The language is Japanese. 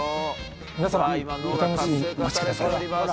皆さまお楽しみにお待ちください。